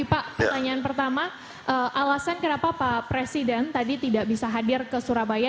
pak pertanyaan pertama alasan kenapa pak presiden tadi tidak bisa hadir ke surabaya